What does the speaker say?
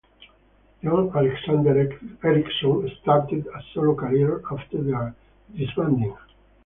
John Alexander Ericson started a solo career after their disbanding.